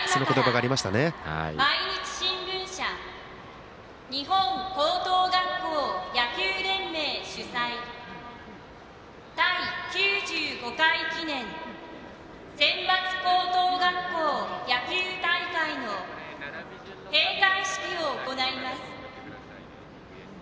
ただいまから毎日新聞社日本高等学校野球連盟主催第９５回記念選抜高等学校野球大会の閉会式を行います。